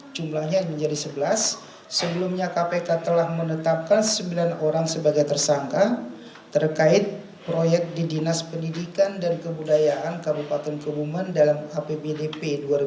jumlahnya menjadi sebelas sebelumnya kpk telah menetapkan sembilan orang sebagai tersangka terkait proyek di dinas pendidikan dan kebudayaan kabupaten kebumen dalam apbdp dua ribu dua puluh